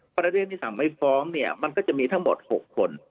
ประเทศที่สั่งไม้ฟ้องมันก็จะมีทั้งหมด๖คน